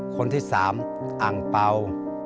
คนที่๓อังเปล่า